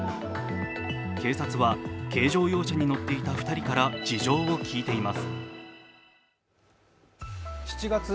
警察は、軽乗用車に乗っていた２人から事情を聴いています。